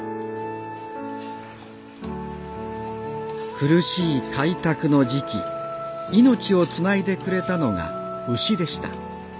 苦しい開拓の時期命をつないでくれたのが牛でした。